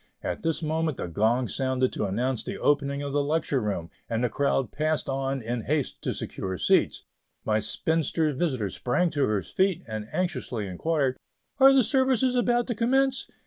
At this moment the gong sounded to announce the opening of the Lecture Room, and the crowd passed on in haste to secure seats. My spinster visitor sprang to her feet and anxiously inquired: "Are the services about to commence?"